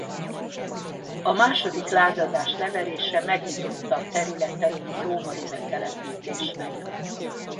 A második lázadás leverése megnyitotta a területet a római betelepítésnek.